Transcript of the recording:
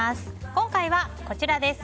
今回はこちらです。